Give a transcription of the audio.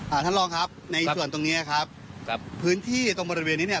ท่านรองครับในส่วนตรงเนี้ยครับครับพื้นที่ตรงบริเวณนี้เนี้ย